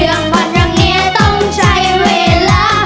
เรื่องบันดังเนียต้องใช้เวลา